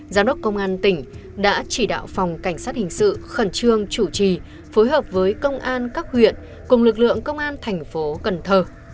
giám đốc công an tỉnh đã chỉ đạo phòng cảnh sát hình sự khẩn trương chủ trì phối hợp với công an các huyện cùng lực lượng công an tp cnh